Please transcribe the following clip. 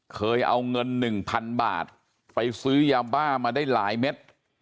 เคยเอาเงิน๑๐๐๐บาทไปซื้อยาบ้ามาได้หลายเม็ด